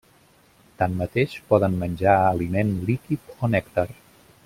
Tanmateix, poden menjar aliment líquid o nèctar.